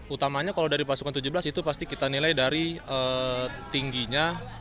utamanya kalau dari pasukan tujuh belas itu pasti kita nilai dari tingginya